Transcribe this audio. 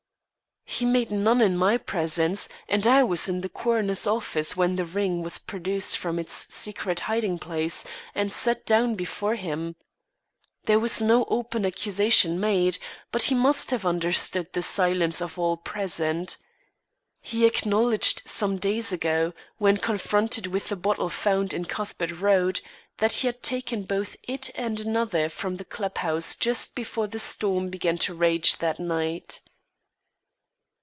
"He made none in my presence and I was in the coroner's office when the ring was produced from its secret hiding place and set down before him. There was no open accusation made, but he must have understood the silence of all present. He acknowledged some days ago, when confronted with the bottle found in Cuthbert Road, that he had taken both it and another from the club house just before the storm began to rage that night."